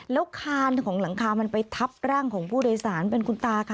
แล้วคานของหลังคามันไปทับร่างของผู้โดยสารเป็นคุณตาค่ะ